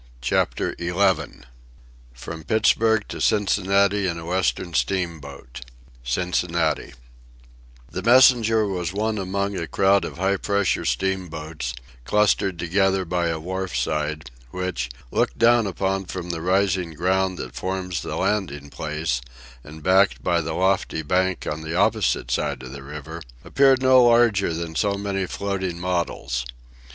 CHAPTER XI FROM PITTSBURG TO CINCINNATI IN A WESTERN STEAMBOAT. CINCINNATI THE Messenger was one among a crowd of high pressure steamboats, clustered together by a wharf side, which, looked down upon from the rising ground that forms the landing place, and backed by the lofty bank on the opposite side of the river, appeared no larger than so many floating models.